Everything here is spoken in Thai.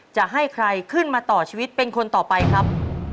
จะให้ใครขึ้นมาต่อชีวิตเป็นคนต่อไปครับ